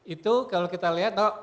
itu kalau kita lihat